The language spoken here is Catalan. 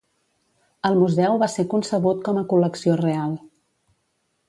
El museu va ser concebut com a col·lecció real.